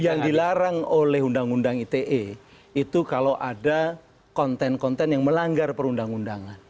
yang dilarang oleh undang undang ite itu kalau ada konten konten yang melanggar perundang undangan